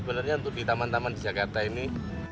sebenarnya untuk di taman taman di jakarta ini